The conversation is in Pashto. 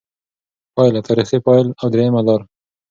پایله: «تاریخي فاعل» او درېیمه لار